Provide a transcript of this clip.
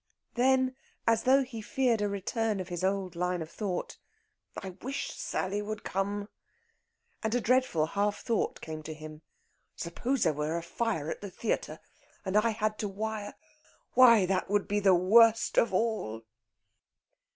Then, as though he feared a return of his old line of thought, "I wish Sally would come." And a dreadful half thought came to him, "Suppose there were a fire at the theatre, and I had to wire ... why that would be worst of all!"